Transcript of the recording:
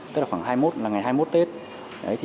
tức là khoảng ngày hai mươi một tết